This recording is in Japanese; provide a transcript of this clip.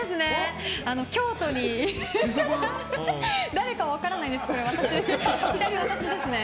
誰か分からないですけど左、私です。